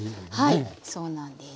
はいそうなんです。